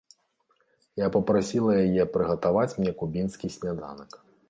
Я папрасіла яе прыгатаваць мне кубінскі сняданак.